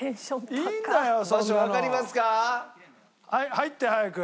入って早く。